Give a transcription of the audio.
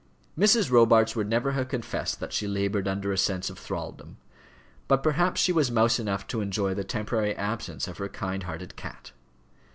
Mrs. Robarts would never have confessed that she laboured under a sense of thraldom; but perhaps she was mouse enough to enjoy the temporary absence of her kind hearted cat.